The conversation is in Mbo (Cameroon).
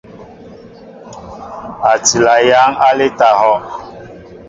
A tila yăŋ aleta ahɔʼ.